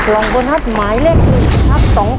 ๑ล้าน